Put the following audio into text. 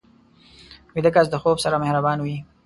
ویده کس د خوب سره مهربان وي